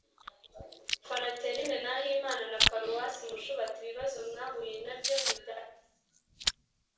fraterne nahimana wa paruwasi mushubati). ibibazo mwahuye nabyo ntibyashize.